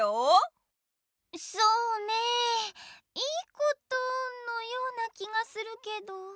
そうねぇ良いことのような気がするけど。